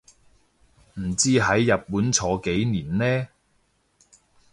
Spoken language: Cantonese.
唔知喺日本坐幾年呢